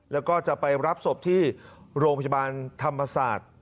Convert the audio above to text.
แล้วก็จะไปรับศพที่โรงพยาบาลธรรมศาสตร์